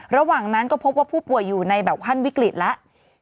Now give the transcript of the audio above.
ระหว่างนั้นก็พบว่าผู้ป่วยอยู่ในแบบขั้นวิกฤตแล้ว